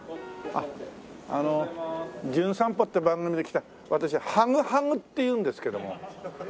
あっあの『じゅん散歩』って番組で来た私ハグハグっていうんですけども。